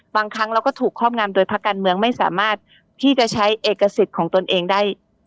บางครั้งเราก็ถูกครอบงำโดยพักการเมืองไม่สามารถที่จะใช้เอกสิทธิ์ของตนเองได้